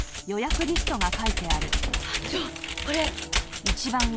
班長これ！